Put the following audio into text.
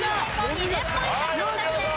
２０ポイント獲得です。